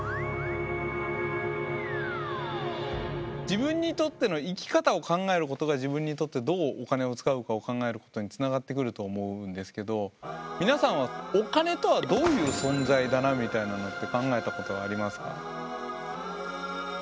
自分にとっての生き方を考えることが自分にとってどうお金を使うかを考えることにつながってくると思うんですけど皆さんはお金とはどういう存在だなみたいなのって考えたことはありますか？